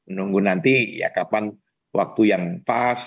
nunggu nanti ya kapan waktu yang pas